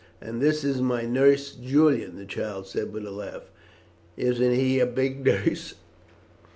"And this is my Nurse Julian," the child said with a laugh. "Isn't he a big nurse?"